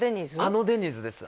あのデニーズです